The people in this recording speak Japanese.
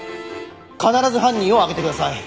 必ず犯人を挙げてください。